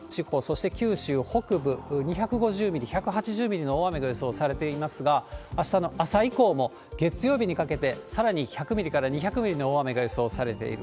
中国地方、そして九州北部、２５０ミリ、１８０ミリの大雨が予想されていますが、あしたの朝以降も、月曜日にかけて、さらに１００ミリから２００ミリの大雨が予想されている。